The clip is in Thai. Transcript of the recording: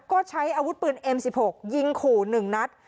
ก็ใช้อาวุธปืนเอ็มสิบหกยิงขู่หนึ่งนัก